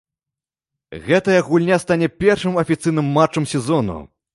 Гэтая гульня стане першым афіцыйным матчам сезону.